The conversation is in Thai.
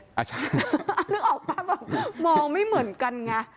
นึกออกป่ะแบบมองไม่เหมือนกันไง